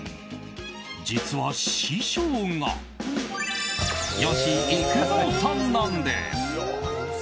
実は、師匠が吉幾三さんなんです。